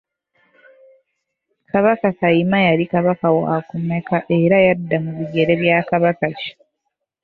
Kabaka Kayima yali Kabaka waakumeka era yadda mu bigere bya Kabaka ki?